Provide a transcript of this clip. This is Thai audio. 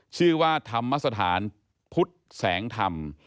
ชื่อว่าธรรมสถานพุทธแสงธรรม